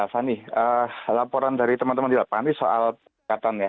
fani laporan dari teman teman di lapangan ini soal penyekatan ya